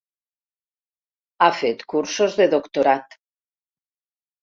Ha fet cursos de doctorat.